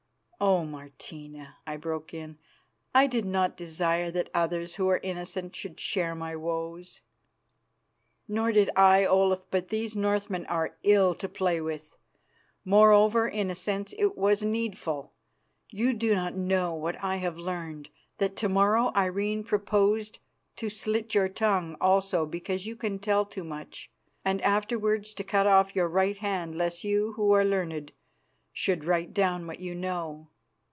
"Oh! Martina," I broke in, "I did not desire that others who are innocent should share my woes." "Nor did I, Olaf; but these Northmen are ill to play with. Moreover, in a sense it was needful. You do not know what I have learned that to morrow Irene proposed to slit your tongue also because you can tell too much, and afterwards to cut off your right hand lest you, who are learned, should write down what you know.